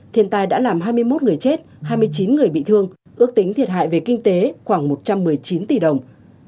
thiên tai đã làm hai mươi một người chết hai mươi chín người bị thương ước tính thiệt hại về kinh tế khoảng một trăm một mươi chín tỷ đồng